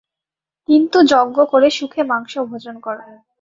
কিন্তু যজ্ঞ করে সুখে মাংস ভোজন কর।